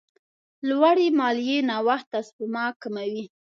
لوړې مالیې نوښت او سپما کموي.